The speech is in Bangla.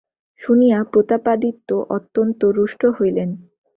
শুনিয়া প্রতাপাদিত্য অত্যন্ত রুষ্ট হইলেন।